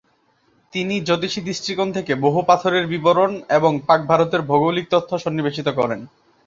তিনি জ্যোতিষী দৃষ্টিকোণ থেকে বহু পাথরের বিবরণ এবং পাক-ভারতের ভৌগোলিক তথ্য সন্নিবেশিত করেন।